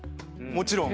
もちろん。